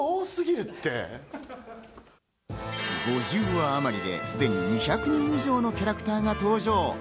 ５０話あまりですでに２００人以上のキャラクターが登場。